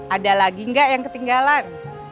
ada lagi nggak yang ketinggalan